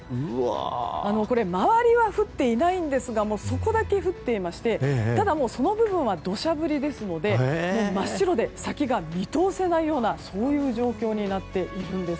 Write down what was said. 周りは降っていないんですがそこだけ降っていましてその部分は土砂降りですので真っ白で先が見通せないようなそういう状況になっているんです。